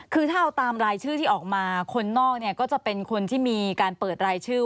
คือถ้าเอาตามรายชื่อที่ออกมาคนนอกเนี่ยก็จะเป็นคนที่มีการเปิดรายชื่อ